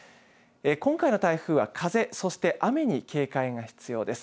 今回の台風は風、そして雨に警戒が必要です。